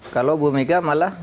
kalau bu megah malah